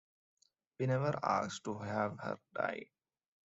We never asked to have her die.